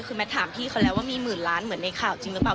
คือแมทถามพี่เขาแล้วว่ามีหมื่นล้านเหมือนในข่าวจริงหรือเปล่า